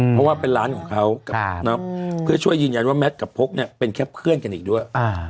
เพราะว่าเป็นร้านของเขาเพื่อช่วยยืนยันว่าแมทกับพกเนี่ยเป็นแค่เพื่อนกันอีกด้วย